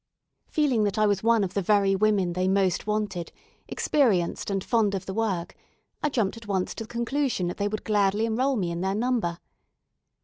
Feeling that I was one of the very women they most wanted, experienced and fond of the work, I jumped at once to the conclusion that they would gladly enrol me in their number.